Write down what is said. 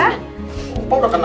apa udah kena